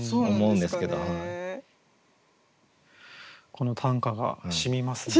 この短歌がしみますね。